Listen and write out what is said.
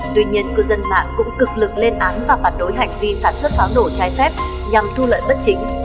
tuy nhiên cư dân mạng cũng cực lực lên án và phản đối hành vi sản xuất pháo nổ trái phép nhằm thu lợi bất chính